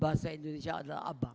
bahasa indonesia adalah abang